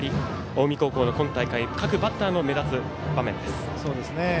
近江高校の今大会各バッター、目立つ場面です。